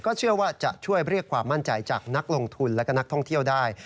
เชื่อว่าจะช่วยเรียกความมั่นใจจากนักลงทุนและก็นักท่องเที่ยวได้